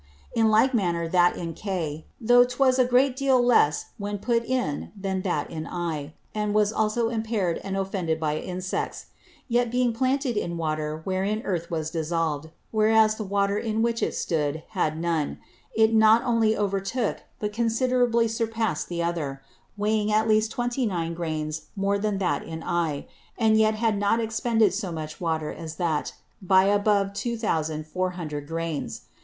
In like manner that in K, though 'twas a great deal less when put in than that in I, and also was impair'd and offended by Insects; yet being planted in Water wherein Earth was dissolved, whereas the Water in which it stood had none, it not only over took, but considerably surpass'd the other; weighing at last 29 Grains more than that in I, and yet had not expended so much Water as that, by above 2400 Grains.